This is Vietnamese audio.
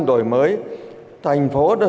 đổi mới thành phố đã